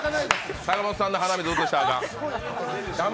坂本さんの鼻水映したらアカン。